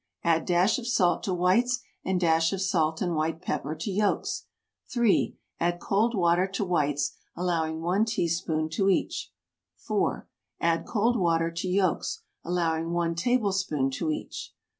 Add dash of salt to whites, and dash of salt and white pepper to yolks. 3. Add cold water to whites, allowing 1 teaspoon to each. 4. Add cold water to yolks, allowing 1 tablespoon to each.